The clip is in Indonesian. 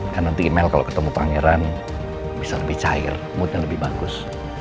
karena nanti email kalau ketemu pangeran bisa lebih cair moodnya lebih bagus